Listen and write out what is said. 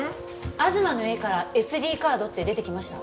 東の家からＳＤカードって出てきました？